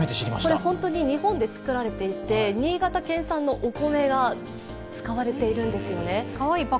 これ、ホントに日本で造られていて新潟県産のお米が使われているんですよね。